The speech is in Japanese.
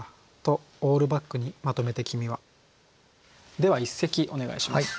では一席お願いします。